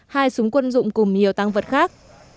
hai súng quân dụng cùng nhiều tăng vật khác